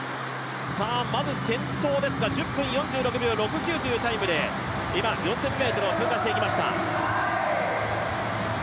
まず、先頭ですが１０分４６秒６９というタイムで今、４０００ｍを通過していきました。